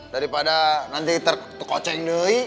daripada nanti terkoceng nuhi